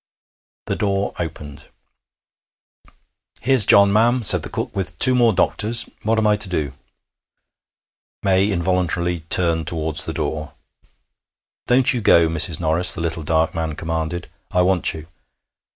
The door opened. 'Here's John, ma'am,' said the cook, 'with two more doctors. What am I to do?' May involuntarily turned towards the door. 'Don't you go, Mrs. Norris,' the little dark man commanded. 'I want you.'